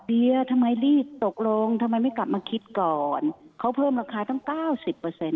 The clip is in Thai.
เดียทำไมรีบตกลงทำไมไม่กลับมาคิดก่อนเขาเพิ่มราคาตั้งเก้าสิบเปอร์เซ็นต